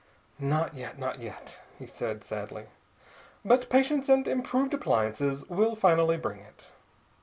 "Not yet, not yet!" he said sadly, "but patience and improved appliances will finally bring it.